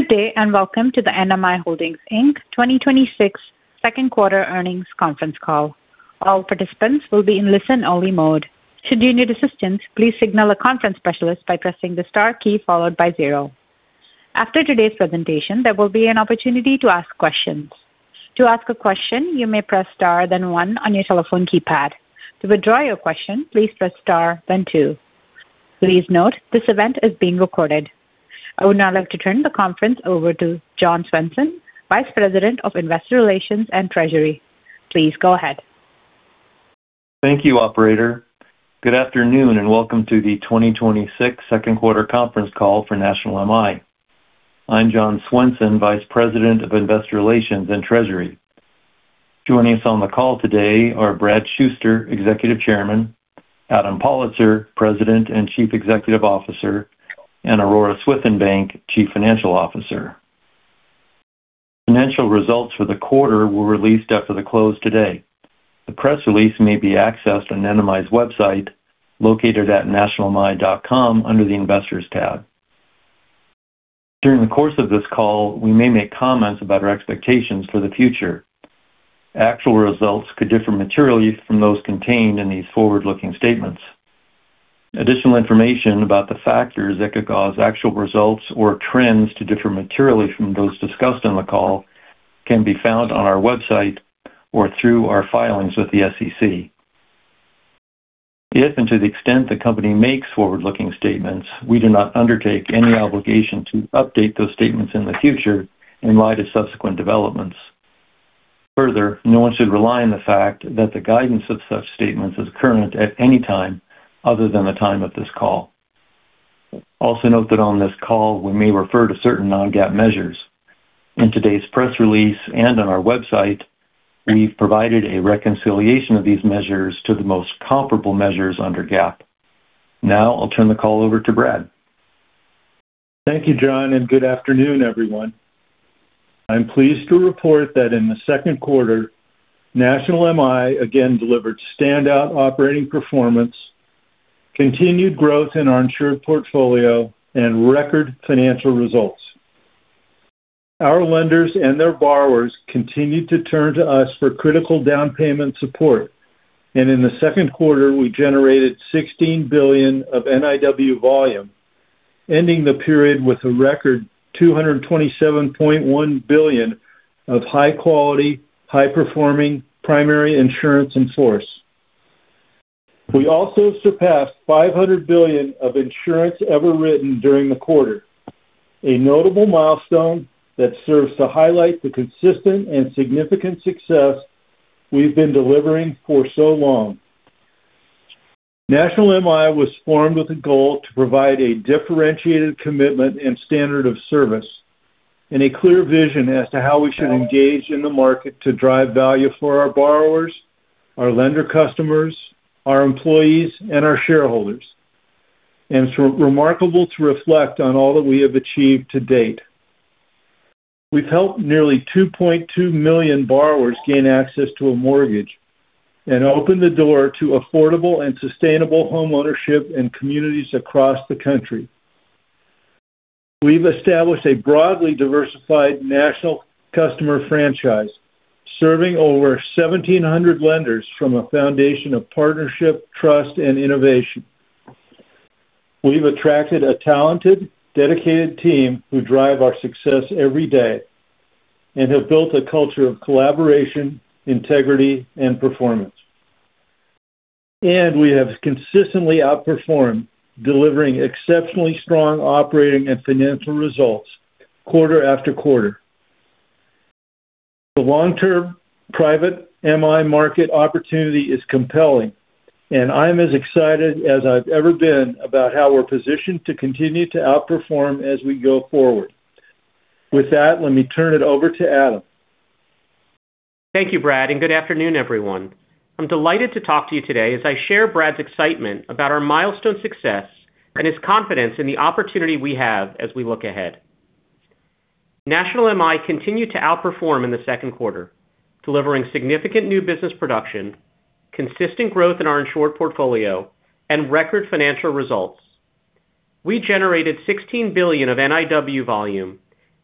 Good day. Welcome to the NMI Holdings Inc. 2026 second quarter earnings conference call. All participants will be in listen-only mode. Should you need assistance, please signal a conference specialist by pressing the star key followed by zero. After today's presentation, there will be an opportunity to ask questions. To ask a question, you may press star, then one on your telephone keypad. To withdraw your question, please press star, then two. Please note, this event is being recorded. I would now like to turn the conference over to John Swenson, Vice President of Investor Relations and Treasury. Please go ahead. Thank you, operator. Good afternoon. Welcome to the 2026 second quarter conference call for National MI. I'm John Swenson, Vice President of Investor Relations and Treasury. Joining us on the call today are Brad Shuster, Executive Chairman, Adam Pollitzer, President and Chief Executive Officer, and Aurora Swithenbank, Chief Financial Officer. Financial results for the quarter were released after the close today. The press release may be accessed on NMI's website, located at nationalmi.com under the Investors tab. During the course of this call, we may make comments about our expectations for the future. Actual results could differ materially from those contained in these forward-looking statements. Additional information about the factors that could cause actual results or trends to differ materially from those discussed on the call can be found on our website or through our filings with the SEC. If, to the extent the company makes forward-looking statements, we do not undertake any obligation to update those statements in the future in light of subsequent developments. No one should rely on the fact that the guidance of such statements is current at any time other than the time of this call. Note that on this call, we may refer to certain non-GAAP measures. In today's press release and on our website, we've provided a reconciliation of these measures to the most comparable measures under GAAP. I'll turn the call over to Brad. Thank you, John. Good afternoon, everyone. I'm pleased to report that in the second quarter, National MI again delivered standout operating performance, continued growth in our insured portfolio, and record financial results. Our lenders and their borrowers continued to turn to us for critical down payment support. In the second quarter, we generated $16 billion of NIW volume, ending the period with a record $227.1 billion of high-quality, high-performing primary insurance in force. We also surpassed $500 billion of insurance ever written during the quarter—a notable milestone that serves to highlight the consistent and significant success we've been delivering for so long. National MI was formed with a goal to provide a differentiated commitment and standard of service and a clear vision as to how we should engage in the market to drive value for our borrowers, our lender customers, our employees, and our shareholders. It's remarkable to reflect on all that we have achieved to date. We've helped nearly 2.2 million borrowers gain access to a mortgage and opened the door to affordable and sustainable homeownership in communities across the country. We've established a broadly diversified national customer franchise, serving over 1,700 lenders from a foundation of partnership, trust, and innovation. We've attracted a talented, dedicated team who drive our success every day and have built a culture of collaboration, integrity, and performance. We have consistently outperformed, delivering exceptionally strong operating and financial results quarter after quarter. The long-term private MI market opportunity is compelling, and I'm as excited as I've ever been about how we're positioned to continue to outperform as we go forward. With that, let me turn it over to Adam. Thank you, Brad. Good afternoon, everyone. I'm delighted to talk to you today as I share Brad's excitement about our milestone success and his confidence in the opportunity we have as we look ahead. National MI continued to outperform in the second quarter, delivering significant new business production, consistent growth in our insured portfolio, and record financial results. We generated $16 billion of NIW volume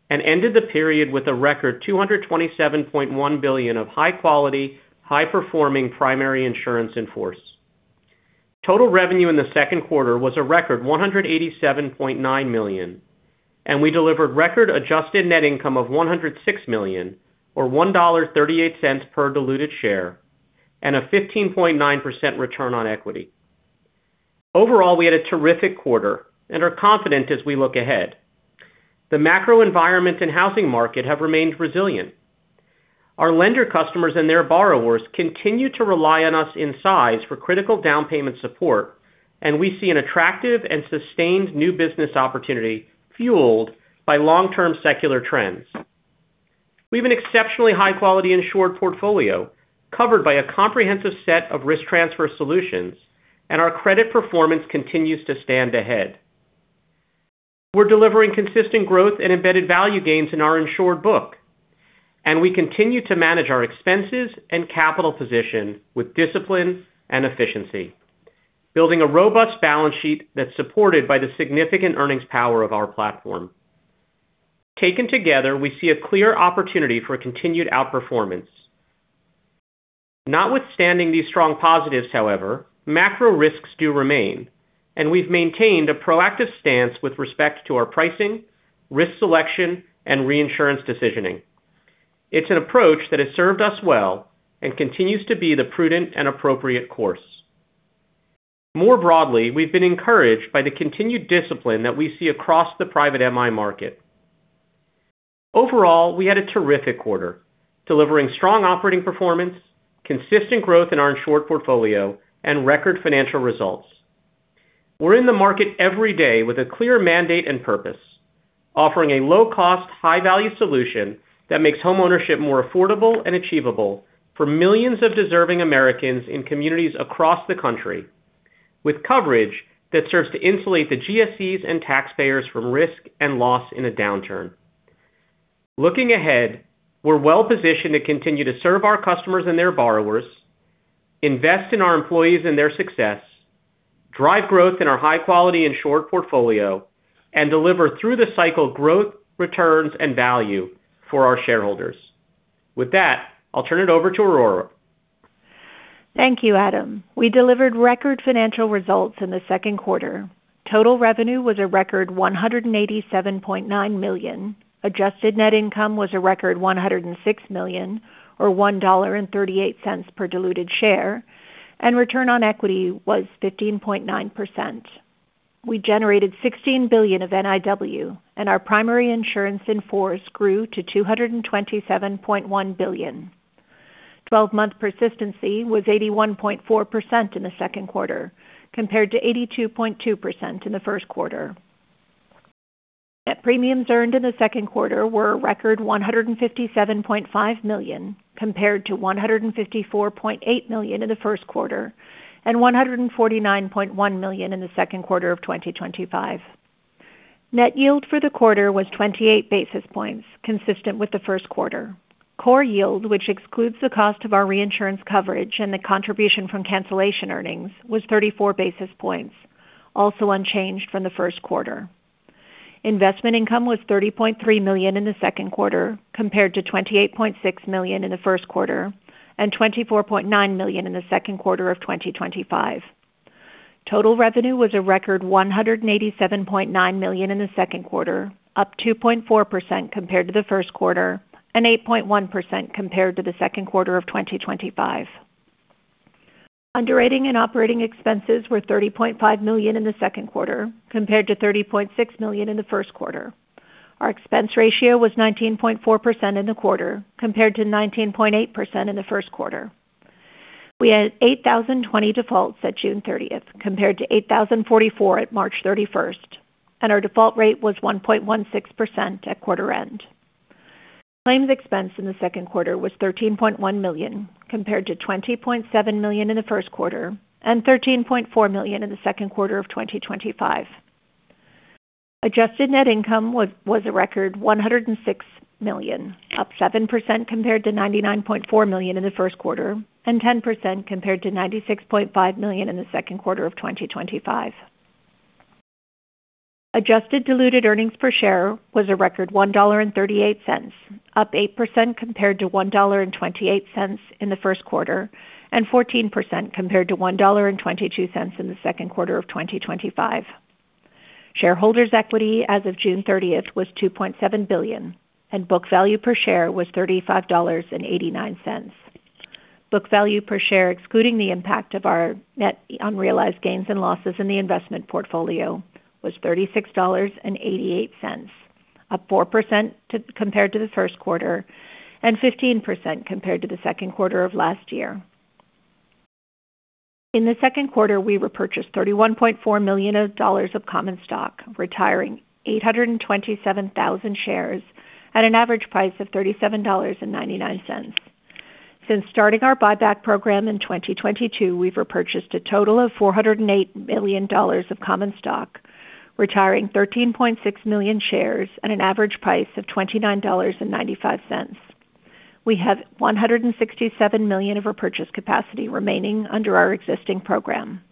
and ended the period with a record $227.1 billion of high-quality, high-performing primary insurance in force. Total revenue in the second quarter was a record $187.9 million, and we delivered record adjusted net income of $106 million or $1.38 per diluted share and a 15.9% return on equity. Overall, we had a terrific quarter and are confident as we look ahead. The macro environment and housing market have remained resilient. Our lender customers and their borrowers continue to rely on us in size for critical down payment support. We see an attractive and sustained new business opportunity fueled by long-term secular trends. We have an exceptionally high-quality insured portfolio covered by a comprehensive set of risk transfer solutions. Our credit performance continues to stand ahead. We're delivering consistent growth and embedded value gains in our insured book. We continue to manage our expenses and capital position with discipline and efficiency, building a robust balance sheet that's supported by the significant earnings power of our platform. Taken together, we see a clear opportunity for continued outperformance. Notwithstanding these strong positives, however, macro risks do remain. We've maintained a proactive stance with respect to our pricing, risk selection, and reinsurance decisioning. It's an approach that has served us well and continues to be the prudent and appropriate course. More broadly, we've been encouraged by the continued discipline that we see across the private MI market. Overall, we had a terrific quarter, delivering strong operating performance, consistent growth in our insured portfolio, and record financial results. We're in the market every day with a clear mandate and purpose, offering a low-cost, high-value solution that makes homeownership more affordable and achievable for millions of deserving Americans in communities across the country, with coverage that serves to insulate the GSEs and taxpayers from risk and loss in a downturn. Looking ahead, we're well-positioned to continue to serve our customers and their borrowers, invest in our employees and their success, drive growth in our high-quality insured portfolio, and deliver through the cycle growth, returns, and value for our shareholders. With that, I'll turn it over to Aurora. Thank you, Adam. We delivered record financial results in the second quarter. Total revenue was a record $187.9 million. Adjusted net income was a record $106 million, or $1.38 per diluted share, and return on equity was 15.9%. We generated $16 billion of NIW, and our primary insurance in force grew to $227.1 billion. 12-month persistency was 81.4% in the second quarter, compared to 82.2% in the first quarter. net premiums earned in the second quarter were a record $157.5 million, compared to $154.8 million in the first quarter and $149.1 million in the second quarter of 2025. Net yield for the quarter was 28 basis points, consistent with the first quarter. core yield, which excludes the cost of our reinsurance coverage and the contribution from cancellation earnings, was 34 basis points, also unchanged from the first quarter. Investment income was $30.3 million in the second quarter, compared to $28.6 million in the first quarter and $24.9 million in the second quarter of 2025. Total revenue was a record $187.9 million in the second quarter, up 2.4% compared to the first quarter and 8.1% compared to the second quarter of 2025. Underwriting and operating expenses were $30.5 million in the second quarter, compared to $30.6 million in the first quarter. Our expense ratio was 19.4% in the quarter, compared to 19.8% in the first quarter. We had 8,020 defaults at June 30th, compared to 8,044 at March 31st, and our default rate was 1.16% at quarter end. Claims expense in the second quarter was $13.1 million, compared to $20.7 million in the first quarter and $13.4 million in the second quarter of 2025. Adjusted net income was a record $106 million, up 7% compared to $99.4 million in the first quarter and 10% compared to $96.5 million in the second quarter of 2025. Adjusted diluted earnings per share was a record $1.38, up 8% compared to $1.28 in the first quarter and 14% compared to $1.22 in the second quarter of 2025. Shareholders' equity as of June 30th was $2.7 billion, and book value per share was $35.89. Book value per share, excluding the impact of our net unrealized gains and losses in the investment portfolio, was $36.88, up 4% compared to the first quarter and 15% compared to the second quarter of last year. In the second quarter, we repurchased $31.4 million of common stock, retiring 827,000 shares at an average price of $37.99. Since starting our buyback program in 2022, we've repurchased a total of $408 million of common stock, retiring 13.6 million shares at an average price of $29.95. We have $167 million of repurchase capacity remaining under our existing program.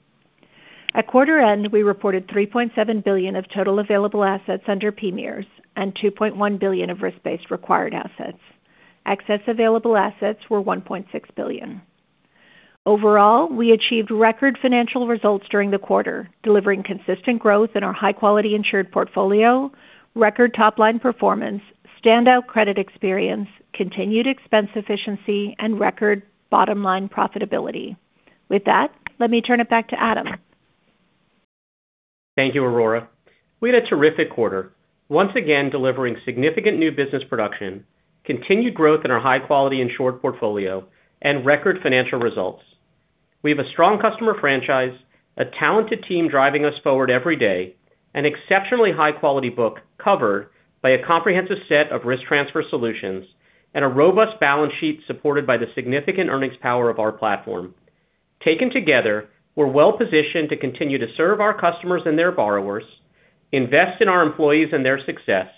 At quarter end, we reported $3.7 billion of total available assets under PMIERs and $2.1 billion of risk-based required assets. Excess available assets were $1.6 billion. Overall, we achieved record financial results during the quarter, delivering consistent growth in our high-quality insured portfolio, record top-line performance, standout credit experience, continued expense efficiency, and record bottom-line profitability. With that, let me turn it back to Adam. Thank you, Aurora. We had a terrific quarter, once again delivering significant new business production, continued growth in our high-quality insured portfolio, and record financial results. We have a strong customer franchise, a talented team driving us forward every day, an exceptionally high-quality book covered by a comprehensive set of risk transfer solutions, and a robust balance sheet supported by the significant earnings power of our platform. Taken together, we're well-positioned to continue to serve our customers and their borrowers, invest in our employees and their success,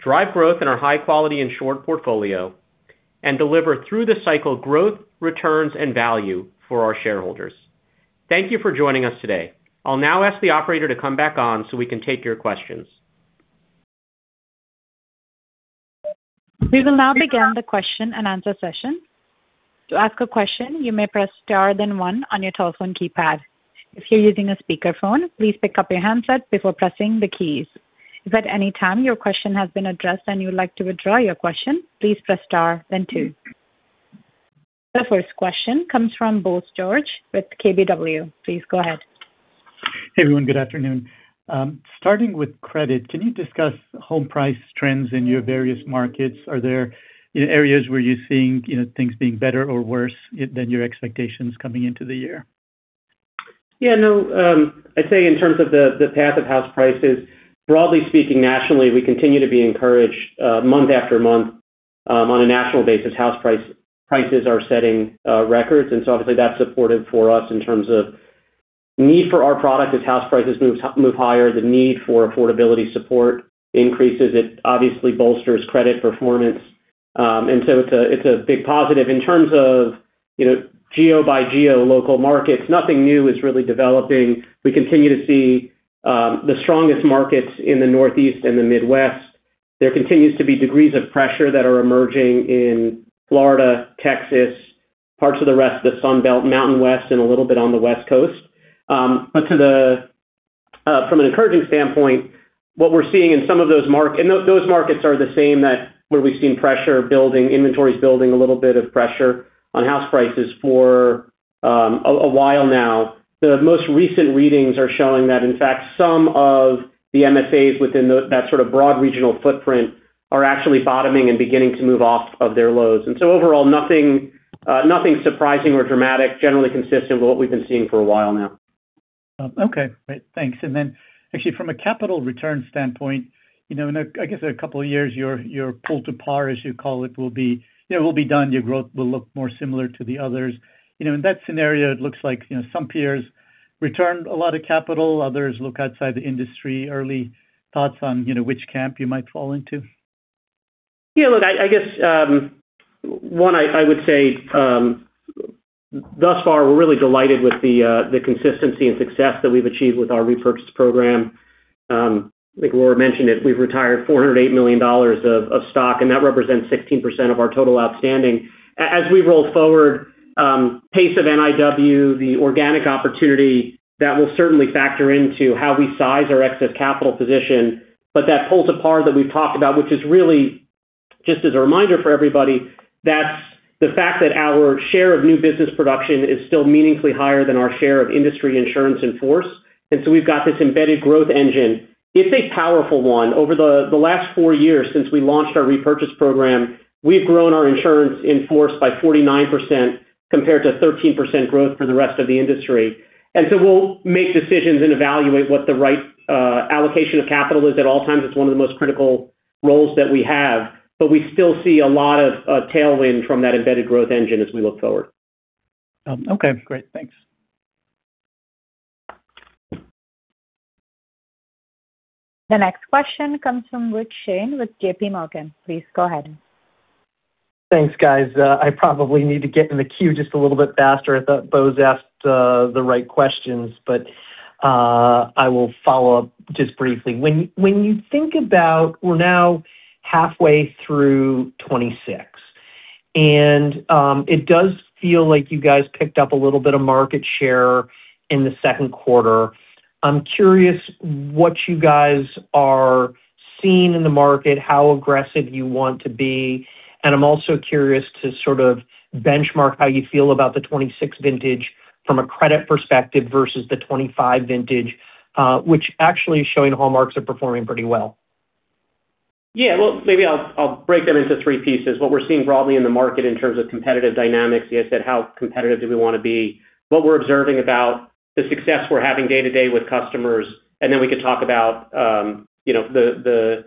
drive growth in our high-quality insured portfolio, and deliver through the cycle growth, returns, and value for our shareholders. Thank you for joining us today. I'll now ask the operator to come back on so we can take your questions. We will now begin the question-and-answer session. To ask a question, you may press star one on your telephone keypad. If you're using a speakerphone, please pick up your handset before pressing the keys. If at any time your question has been addressed and you would like to withdraw your question, please press star two. The first question comes from Bose George with KBW. Please go ahead. Hey, everyone. Good afternoon. Starting with credit, can you discuss home price trends in your various markets? Are there areas where you're seeing things being better or worse than your expectations coming into the year? Yeah, no. I'd say in terms of the path of house prices, broadly speaking, nationally, we continue to be encouraged month after month on a national basis. House prices are setting records, obviously that's supportive for us in terms of need for our product. As house prices move higher, the need for affordability support increases. It obviously bolsters credit performance. It's a big positive. In terms of geo-by-geo local markets, nothing new is really developing. We continue to see the strongest markets in the Northeast and the Midwest. There continues to be degrees of pressure that are emerging in Florida, Texas, parts of the rest of the Sun Belt, Mountain West, and a little bit on the West Coast. From an encouraging standpoint, what we're seeing in some of those markets, and those markets are the same where we've seen inventories building a little bit of pressure on house prices for a while now. The most recent readings are showing that, in fact, some of the MSAs within that sort of broad regional footprint are actually bottoming and beginning to move off of their lows. Overall, nothing surprising or dramatic. Generally consistent with what we've been seeing for a while now. Okay, great. Thanks. Actually from a capital return standpoint, in, I guess, a couple of years, your pull to par, as you call it, will be done. Your growth will look more similar to the others. In that scenario, it looks like some peers returned a lot of capital, others look outside the industry. Early thoughts on which camp you might fall into? Yeah, look, I guess, one, I would say thus far, we're really delighted with the consistency and success that we've achieved with our repurchase program. Like Aurora mentioned it, we've retired $408 million of stock, and that represents 16% of our total outstanding. As we roll forward pace of NIW, the organic opportunity, that will certainly factor into how we size our excess capital position. That pull to par that we've talked about, which is really just as a reminder for everybody, that's the fact that our share of new business production is still meaningfully higher than our share of industry insurance in force. We've got this embedded growth engine. It's a powerful one. Over the last four years since we launched our repurchase program, we've grown our insurance in force by 49% compared to 13% growth for the rest of the industry. We'll make decisions and evaluate what the right allocation of capital is at all times. It's one of the most critical roles that we have. We still see a lot of tailwind from that embedded growth engine as we look forward. Okay, great. Thanks. The next question comes from Rich Shane with JPMorgan. Please go ahead. Thanks, guys. I probably need to get in the queue just a little bit faster. I thought Bose asked the right questions. I will follow up just briefly. When you think about we're now halfway through 2026, it does feel like you guys picked up a little bit of market share in the second quarter. I'm curious what you guys are seeing in the market, how aggressive you want to be. I'm also curious to sort of benchmark how you feel about the 2026 vintage from a credit perspective versus the 2025 vintage which actually is showing hallmarks are performing pretty well. Yeah. Well, maybe I'll break them into three pieces. What we're seeing broadly in the market in terms of competitive dynamics. You guys said, how competitive do we want to be? What we're observing about the success we're having day-to-day with customers. Then we can talk about the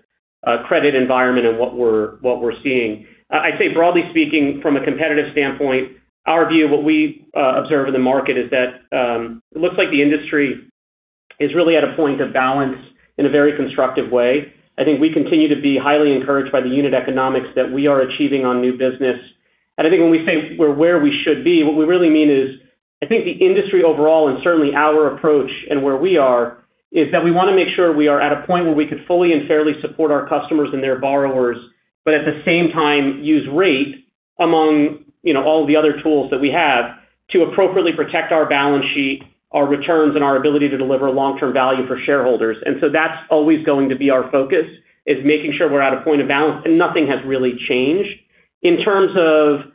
credit environment and what we're seeing. I'd say broadly speaking, from a competitive standpoint, our view of what we observe in the market is that it looks like the industry is really at a point of balance in a very constructive way. I think we continue to be highly encouraged by the unit economics that we are achieving on new business. I think when we say we're where we should be, what we really mean is I think the industry overall, and certainly our approach and where we are, is that we want to make sure we are at a point where we could fully and fairly support our customers and their borrowers, but at the same time use rate among all the other tools that we have to appropriately protect our balance sheet, our returns, and our ability to deliver long-term value for shareholders. That's always going to be our focus, is making sure we're at a point of balance. Nothing has really changed. In terms of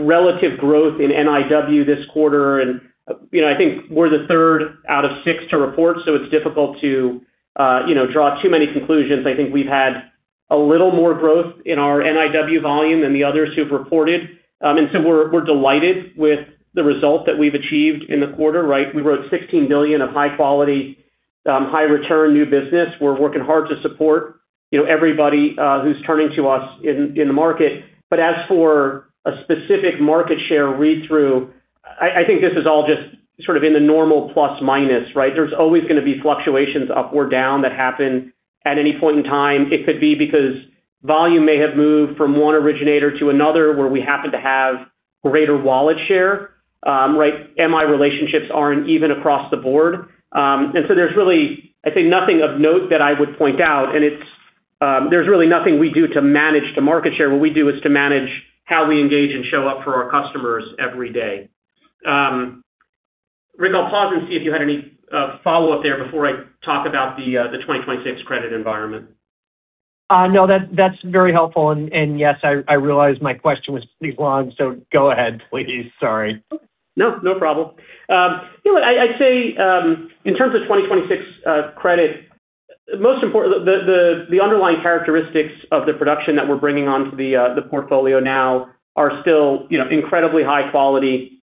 relative growth in NIW this quarter, I think we're the third out of six to report, so it's difficult to draw too many conclusions. I think we've had a little more growth in our NIW volume than the others who've reported. We're delighted with the result that we've achieved in the quarter, right? We wrote $16 billion of High return new business. We're working hard to support everybody who's turning to us in the market. As for a specific market share read-through, I think this is all just sort of in the normal plus/minus, right? There's always going to be fluctuations up or down that happen at any point in time. It could be because volume may have moved from one originator to another, where we happen to have greater wallet share. MI relationships aren't even across the board. There's really, I'd say, nothing of note that I would point out, and there's really nothing we do to manage the market share. What we do is to manage how we engage and show up for our customers every day. Rich, I'll pause and see if you had any follow-up there before I talk about the 2026 credit environment. No, that's very helpful. Yes, I realized my question was pretty long, go ahead please. Sorry. No problem. I'd say, in terms of 2026 credit, most important, the underlying characteristics of the production that we're bringing onto the portfolio now are still incredibly high quality.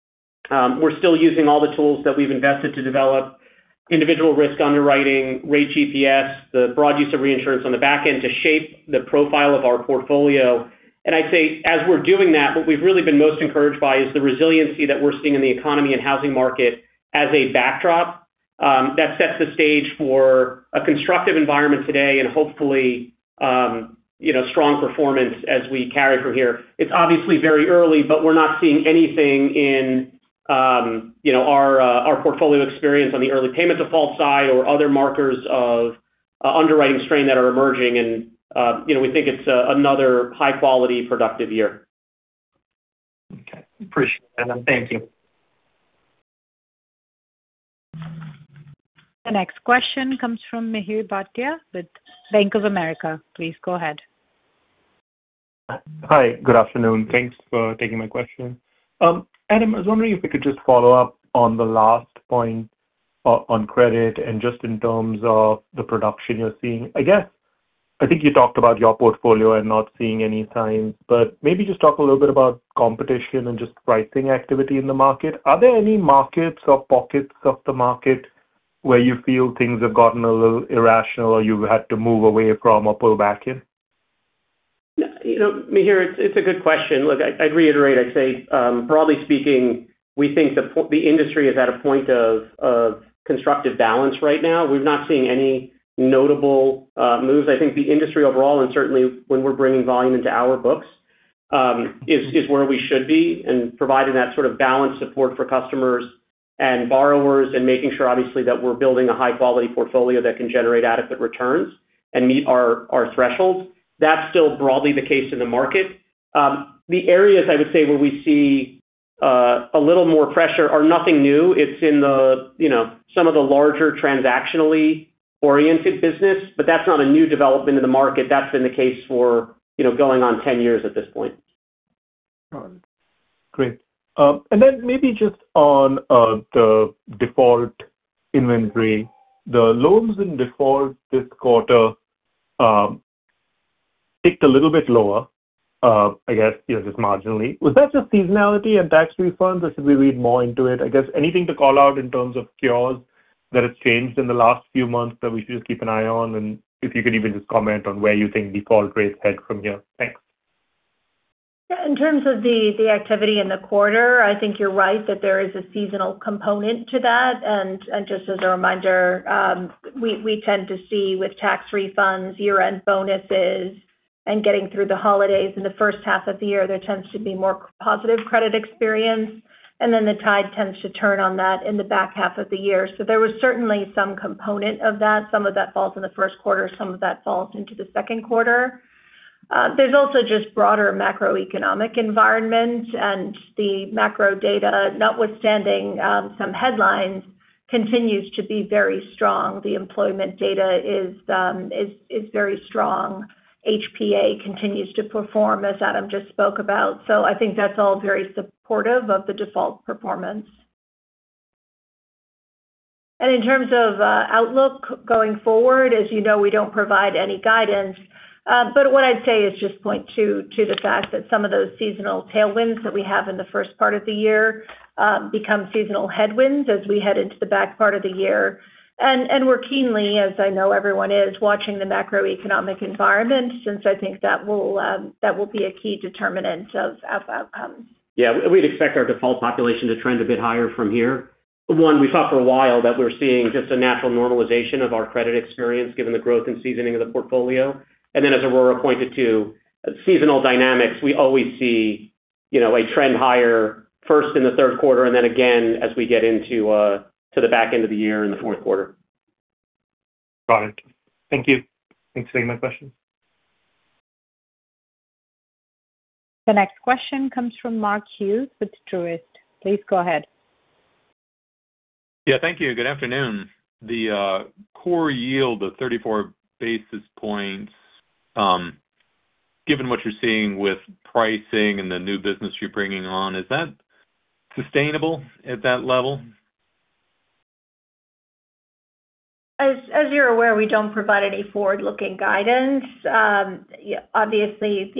We're still using all the tools that we've invested to develop individual risk underwriting, Rate GPS, the broad use of reinsurance on the back end to shape the profile of our portfolio. I'd say, as we're doing that, what we've really been most encouraged by is the resiliency that we're seeing in the economy and housing market as a backdrop. That sets the stage for a constructive environment today and hopefully strong performance as we carry through here. It's obviously very early, but we're not seeing anything in our portfolio experience on the early payment default side or other markers of underwriting strain that are emerging. We think it's another high-quality, productive year. Okay. Appreciate that. Thank you. The next question comes from Mihir Bhatia with Bank of America. Please go ahead. Hi. Good afternoon. Thanks for taking my question. Adam, I was wondering if we could just follow up on the last point on credit and just in terms of the production you're seeing. I think you talked about your portfolio and not seeing any signs, but maybe just talk a little bit about competition and just pricing activity in the market. Are there any markets or pockets of the market where you feel things have gotten a little irrational, or you've had to move away from or pull back in? Mihir, it's a good question. Look, I'd reiterate—I'd say, broadly speaking, we think the industry is at a point of constructive balance right now. We've not seen any notable moves. I think the industry overall—and certainly when we're bringing volume into our books—is where we should be in providing that sort of balanced support for customers and borrowers and making sure, obviously, that we're building a high-quality portfolio that can generate adequate returns and meet our thresholds. That's still broadly the case in the market. The areas I would say where we see a little more pressure are nothing new. It's in some of the larger transactionally-oriented business, but that's not a new development in the market. That's been the case for going on 10 years at this point. All right. Great. Then maybe just on the default inventory, the loans in default this quarter ticked a little bit lower, I guess just marginally. Was that just seasonality and tax refunds, or should we read more into it? I guess anything to call out in terms of cures that have changed in the last few months that we should just keep an eye on? If you could even just comment on where you think default rates head from here. Thanks. In terms of the activity in the quarter, I think you're right that there is a seasonal component to that. Just as a reminder, we tend to see—with tax refunds, year-end bonuses, and getting through the holidays in the first half of the year—there tends to be more positive credit experience. Then the tide tends to turn on that in the back half of the year. There was certainly some component of that. Some of that falls in the first quarter, some of that falls into the second quarter. There's also just broader macroeconomic environment, and the macro data, notwithstanding some headlines, continues to be very strong. The employment data is very strong. HPA continues to perform as Adam just spoke about. I think that's all very supportive of the default performance. In terms of outlook going forward, as you know, we don't provide any guidance. What I'd say is just point to the fact that some of those seasonal tailwinds that we have in the first part of the year become seasonal headwinds as we head into the back part of the year. We're keenly, as I know everyone is, watching the macroeconomic environment since I think that will be a key determinant of outcomes. We'd expect our default population to trend a bit higher from here. One, we saw for a while that we were seeing just a natural normalization of our credit experience given the growth and seasoning of the portfolio. As Aurora pointed to—seasonal dynamics—we always see a trend higher first in the third quarter and then again as we get into the back end of the year in the fourth quarter. Got it. Thank you. Thanks for taking my question. The next question comes from Mark Hughes with Truist. Please go ahead. Yeah, thank you. Good afternoon. The core yield of 34 basis points, given what you're seeing with pricing and the new business you're bringing on, is that sustainable at that level? As you're aware, we don't provide any forward-looking guidance. Obviously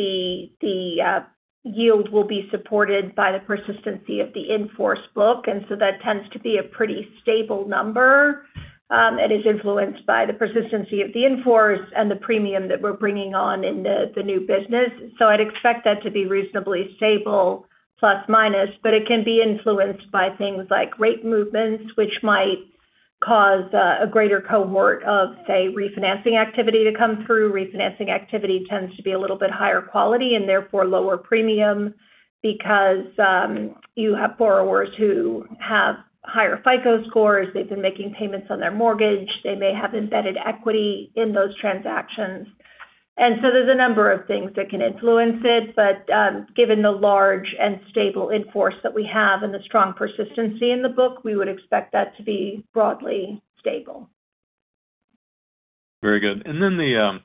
the yield will be supported by the persistency of the in-force book; that tends to be a pretty stable number. It is influenced by the persistency of the in-force and the premium that we're bringing on in the new business. I'd expect that to be reasonably stable—plus minus—but it can be influenced by things like rate movements, which might cause a greater cohort of, say, refinancing activity to come through. Refinancing activity tends to be a little bit higher quality and therefore lower premium because you have borrowers who have higher FICO scores. They've been making payments on their mortgage. They may have embedded equity in those transactions. There's a number of things that can influence it, but given the large and stable in-force that we have and the strong persistency in the book, we would expect that to be broadly stable. Very good. The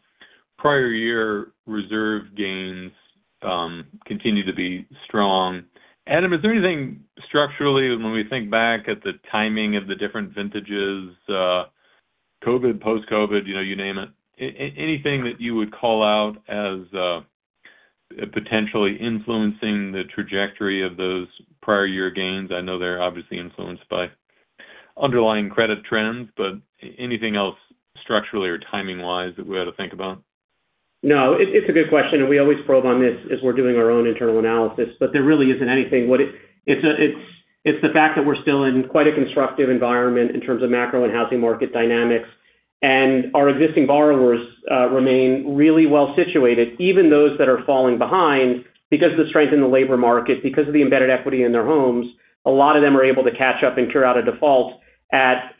prior year reserve gains continue to be strong. Adam, is there anything structurally—when we think back at the timing of the different vintages: COVID, post-COVID, you name it—anything that you would call out as potentially influencing the trajectory of those prior year gains? I know they're obviously influenced by underlying credit trends, but anything else structurally or timing-wise that we ought to think about? No. It's a good question, and we always probe on this as we're doing our own internal analysis, but there really isn't anything. It's the fact that we're still in quite a constructive environment in terms of macro and housing market dynamics, and our existing borrowers remain really well-situated—even those that are falling behind—because of the strength in the labor market, because of the embedded equity in their homes. A lot of them are able to catch up and cure out a default at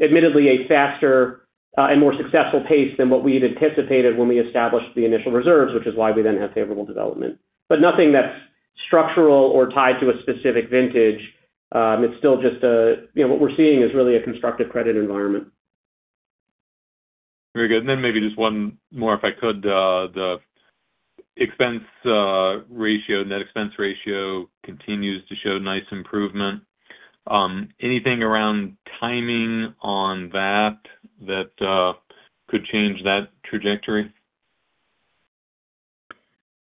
admittedly a faster and more successful pace than what we'd anticipated when we established the initial reserves; which is why we then have favorable development. Nothing that's structural or tied to a specific vintage. What we're seeing is really a constructive credit environment. Very good. Then maybe just one more, if I could: the net expense ratio continues to show nice improvement. Anything around timing on that that could change that trajectory?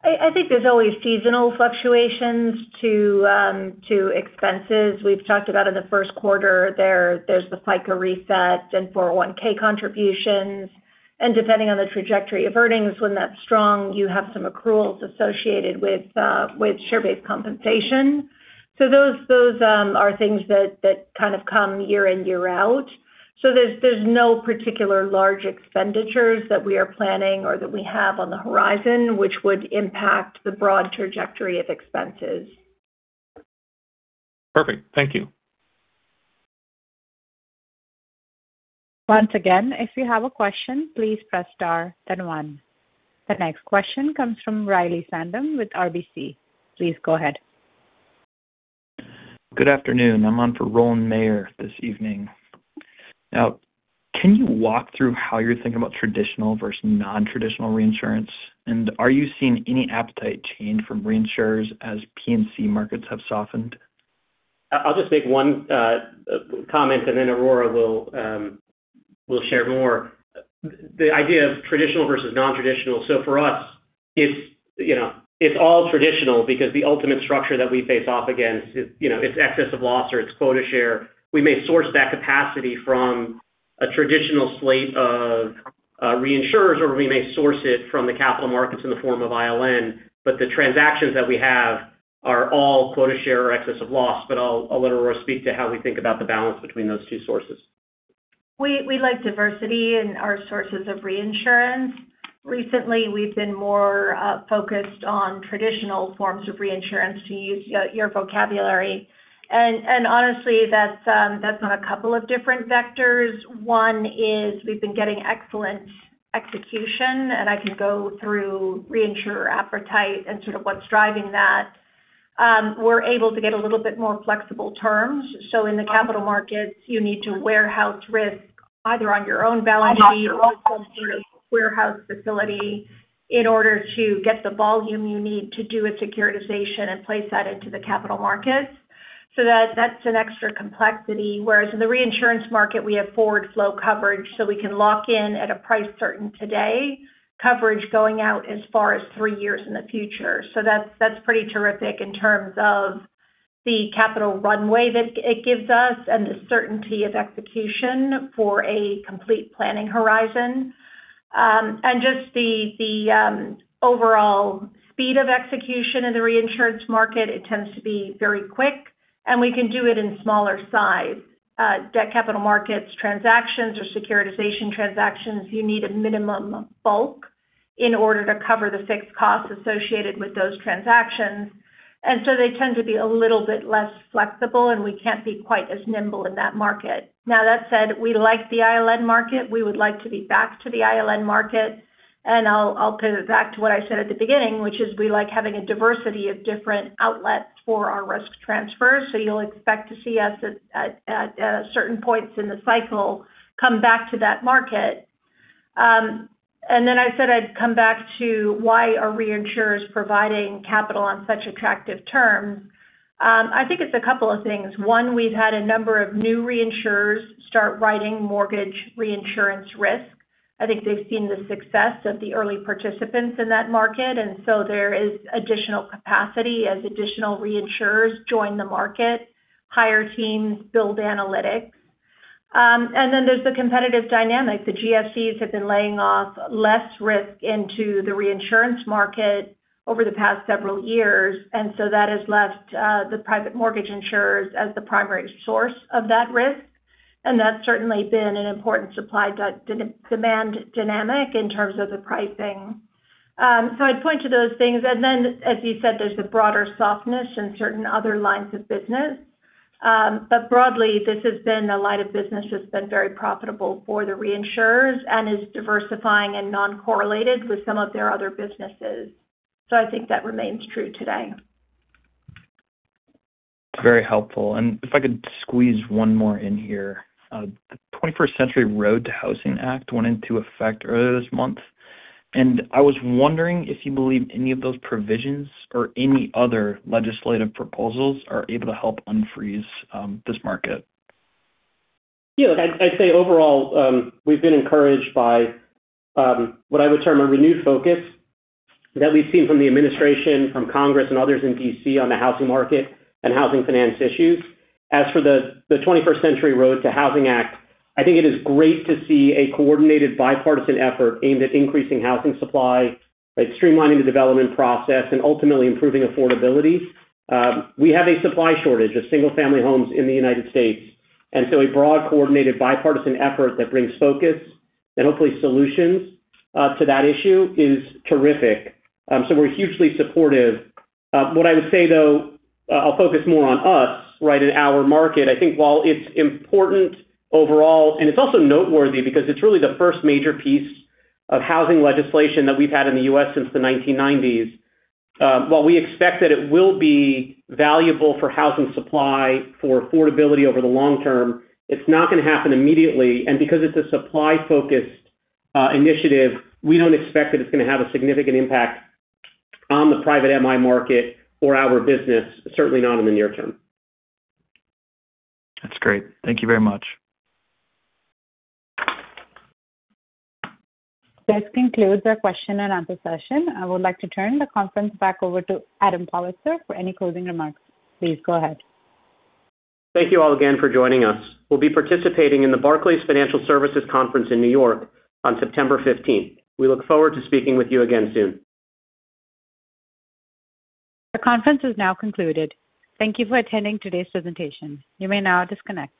I think there's always seasonal fluctuations to expenses. We've talked about in the first quarter there's the FICA reset and 401 contributions. Depending on the trajectory of earnings—when that's strong—you have some accruals associated with share-based compensation. Those are things that kind of come year in, year out. There's no particular large expenditures that we are planning or that we have on the horizon which would impact the broad trajectory of expenses. Perfect. Thank you. Once again, if you have a question, please press star then one. The next question comes from Riley Sandham with RBC. Please go ahead. Good afternoon. I'm on for Rowland Mayor this evening. Can you walk through how you're thinking about traditional versus non-traditional reinsurance, and are you seeing any appetite change from reinsurers as P&C markets have softened? I'll just make one comment, and then Aurora will share more. The idea of traditional versus non-traditional—for us, it's all traditional because the ultimate structure that we face off against, it's excess of loss or it's quota share. We may source that capacity from a traditional slate of reinsurers, or we may source it from the capital markets in the form of ILN, but the transactions that we have are all quota share or excess of loss. I'll let Aurora speak to how we think about the balance between those two sources. We like diversity in our sources of reinsurance. Recently, we've been more focused on traditional forms of reinsurance—to use your vocabulary. Honestly, that's on a couple of different vectors. One is we've been getting excellent execution; and I can go through reinsurer appetite and sort of what's driving that. We're able to get a little bit more flexible terms. In the capital markets, you need to warehouse risk either on your own balance sheet or through a warehouse facility in order to get the volume you need to do a securitization and place that into the capital markets. That's an extra complexity. Whereas in the reinsurance market, we have forward flow coverage, so we can lock in at a price certain today—coverage going out as far as three years in the future. That's pretty terrific in terms of the capital runway that it gives us and the certainty of execution for a complete planning horizon. Just the overall speed of execution in the reinsurance market—it tends to be very quick, and we can do it in smaller size. Debt capital markets transactions or securitization transactions, you need a minimum bulk in order to cover the fixed costs associated with those transactions. They tend to be a little bit less flexible, and we can't be quite as nimble in that market. Now that said, we like the ILN market. We would like to be back to the ILN market. I'll pivot back to what I said at the beginning, which is we like having a diversity of different outlets for our risk transfer. You'll expect to see us at certain points in the cycle come back to that market. I said I'd come back to why are reinsurers providing capital on such attractive terms. I think it's a couple of things. One, we've had a number of new reinsurers start writing mortgage reinsurance risk. I think they've seen the success of the early participants in that market, there is additional capacity as additional reinsurers join the market, hire teams, build analytics. There's the competitive dynamic. The GSEs have been laying off less risk into the reinsurance market over the past several years; that has left the private mortgage insurers as the primary source of that risk, and that's certainly been an important supply-demand dynamic in terms of the pricing. I'd point to those things, as you said, there's the broader softness in certain other lines of business. Broadly, this has been a line of business that's been very profitable for the reinsurers and is diversifying and non-correlated with some of their other businesses. I think that remains true today. Very helpful. If I could squeeze one more in here: the 21st Century ROAD to Housing Act went into effect earlier this month, I was wondering if you believe any of those provisions or any other legislative proposals are able to help unfreeze this market. I'd say overall, we've been encouraged by what I would term a renewed focus that we've seen from the administration, from Congress, and others in D.C. on the housing market and housing finance issues. As for the 21st Century ROAD to Housing Act, I think it is great to see a coordinated bipartisan effort aimed at increasing housing supply, streamlining the development process, and ultimately improving affordability. We have a supply shortage of single-family homes in the U.S.—a broad, coordinated, bipartisan effort that brings focus and hopefully solutions to that issue is terrific. We're hugely supportive. What I would say, though, I'll focus more on us, right? In our market. I think while it's important overall, it's also noteworthy because it's really the first major piece of housing legislation that we've had in the U.S. since the 1990s. While we expect that it will be valuable for housing supply for affordability over the long term, it's not going to happen immediately. Because it's a supply-focused initiative, we don't expect that it's going to have a significant impact on the private MI market or our business, certainly not in the near term. That's great. Thank you very much. This concludes our question and answer session. I would like to turn the conference back over to Adam Pollitzer for any closing remarks. Please go ahead. Thank you all again for joining us. We'll be participating in the Barclays Financial Services Conference in New York on September 15th. We look forward to speaking with you again soon. The conference is now concluded. Thank you for attending today's presentation. You may now disconnect.